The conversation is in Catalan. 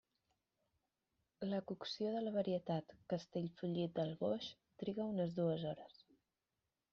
La cocció de la varietat Castellfollit del Boix triga unes dues hores.